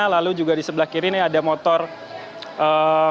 lalu juga di sebelah kiri ini ada motor